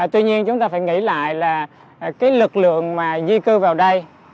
tuy nhiên chúng ta phải nghĩ lại là cái lực lượng mà di cư vào đây